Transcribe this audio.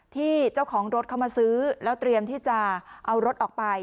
ที่เจ้าของรถเข้ามาซื้อแล้วเตรียมที่จะเอารถออกไป